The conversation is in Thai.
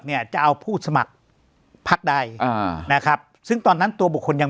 เนี่ยจะเอาผู้สมัครพักใดอ่านะครับซึ่งตอนนั้นตัวบุคคลยัง